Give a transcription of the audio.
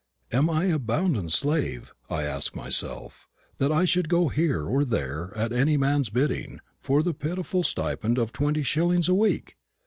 "Am I a bounden slave?" I asked myself, "that I should go here or there at any man's bidding, for the pitiful stipend of twenty shillings a week?"